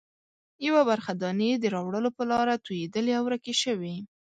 یوه برخه دانې د راوړلو په لاره توېدلې او ورکې شوې.